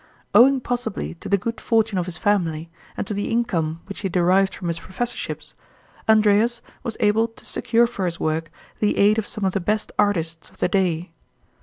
Owing possibly to the good fortune of his family, and to the income which he derived from his professorships, Andreas was able to secure for his work the aid of some of the best artists of the day.